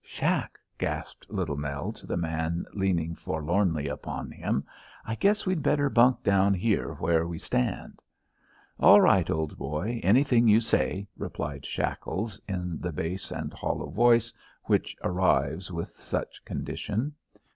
"Shack," gasped Little Nell to the man leaning forlornly upon him, "I guess we'd better bunk down here where we stand." "All right, old boy. Anything you say," replied Shackles, in the bass and hollow voice which arrives with such condition.